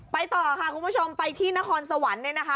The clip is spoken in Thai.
ต่อค่ะคุณผู้ชมไปที่นครสวรรค์เนี่ยนะคะ